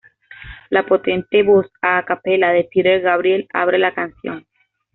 La potente voz a cappella de Peter Gabriel abre la canción.